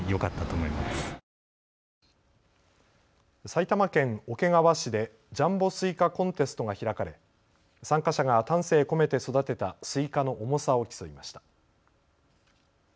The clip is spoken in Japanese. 埼玉県桶川市でジャンボスイカコンテストが開かれ参加者が丹精込めて育てたスイカの重さを競いました。